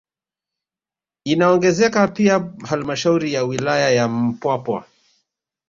Inaongezeka pia halmashauri ya wilaya ya Mpwapwa